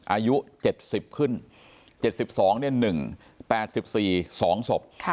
อายุเจ็ดสิบขึ้นเจ็ดสิบสองเนี่ยหนึ่งแปดสิบสี่สองศพ